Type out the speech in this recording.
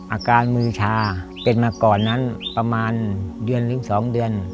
อาการมือชาเป็นมาก่อนนั้นประมาณเดือนถึง๒เดือน